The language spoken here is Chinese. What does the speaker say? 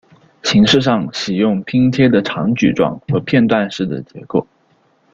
形式上喜用拼贴的长矩状和片段式的结构。